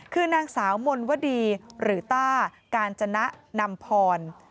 คือนางสาวมนวดีหรือต้ากาญจนะนำพร